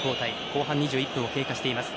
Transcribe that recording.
後半２１分を経過しています。